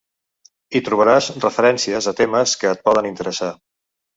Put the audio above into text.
Hi trobaràs referències a temes que et poden interessar.